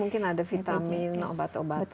mungkin ada vitamin obat obatan